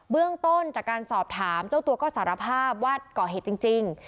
เรื่องต้นจากการสอบถามเจ้าตัวก็สารภาพว่าก่อเหตุจริง